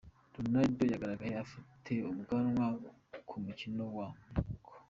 Ronaldo yagaragaye afite ubwanwa ku mukino wa Morocco.